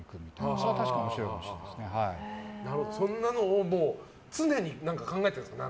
それは確かにそんなのを常に考えてるんですか？